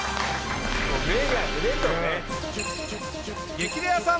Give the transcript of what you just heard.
『激レアさん』